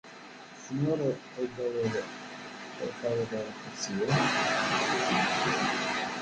Tzemremt ad iyi-tawiḍ ar ukersi-a?